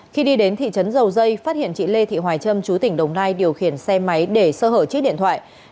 khi đi đến thị trấn dầu dây phát hiện chị lê thị hoài trâm chú tỉnh đồng nai điều khiển xe máy để sơ hở chiếc điện thoại